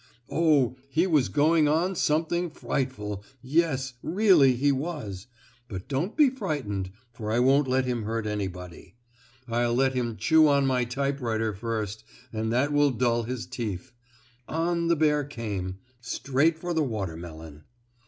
Oh, he was going on something frightful, yes, really he was, but don't be frightened, for I won't let him hurt anybody. I'll let him chew on my typewriter first and that will dull his teeth. On the bear came, straight for the watermelon.